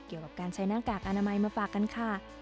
เกี่ยวกับการใช้หน้ากากอนามัยมาฝากกันค่ะ